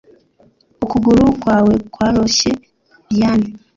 ukuguru kwawe kworoshye, liane